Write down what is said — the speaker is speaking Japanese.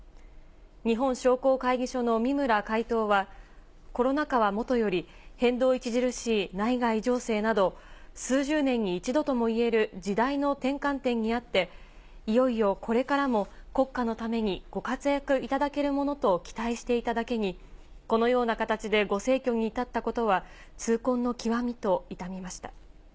日本商工会議所の三村会頭は、コロナ禍はもとより、変動著しい内外情勢など、数十年に一度ともいえる時代の転換点にあって、いよいよこれからも国家のためにご活躍いただけるものと期待していただけに、このような形でご逝去に至ったことは痛恨の極みと悼みました。